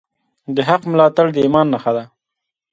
د حق ملاتړ د ایمان نښه ده.